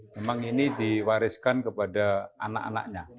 memang ini diwariskan kepada anak anaknya